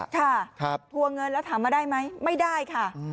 ทัวร์เงินแล้วถามมาได้ไหมไม่ได้ค่ะ